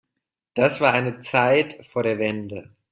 Das war eine Zeit vor der Wende.